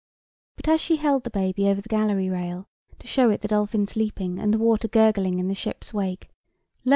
But as she held the baby over the gallery rail, to show it the dolphins leaping and the water gurgling in the ship's wake, lo!